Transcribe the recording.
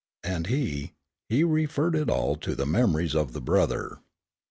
And he, he referred it all to the memories of the brother.